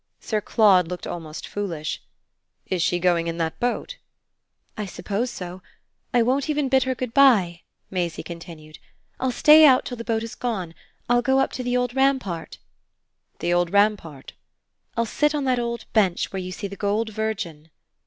Sir Claude looked almost foolish. "Is she going in that boat?" "I suppose so. I won't even bid her good bye," Maisie continued. "I'll stay out till the boat has gone. I'll go up to the old rampart." "The old rampart?" "I'll sit on that old bench where you see the gold Virgin."